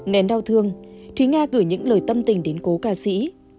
nén đau thương thúy nga gửi những lời tâm tình đến cố ca sĩ